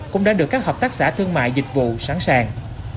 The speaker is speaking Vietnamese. cũng đã được các hợp tác xã thương mại dịch vụ sẵn sàng